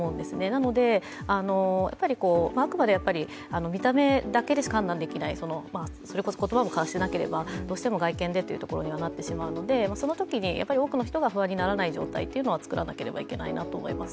なので、あくまで見た目だけでしか判断できない、それこそ言葉も交わしていなければ、どうしても外見でとなってしまうので、そのときに多くの人が不安にならない状態を作らなければいけないと思います。